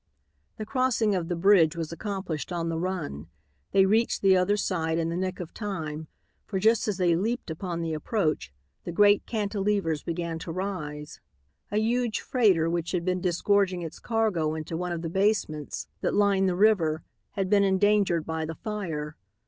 The crossing of the bridge was accomplished on the run. They reached the other side in the nick of time, for just as they leaped upon the approach the great cantilevers began to rise. A huge freighter which had been disgorging its cargo into one of the basements that line the river had been endangered by the fire.